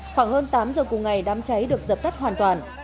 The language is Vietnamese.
khoảng hơn tám giờ cùng ngày đám cháy được dập tắt hoàn toàn